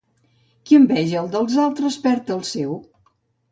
Qui enveja el dels altres, perd el seu.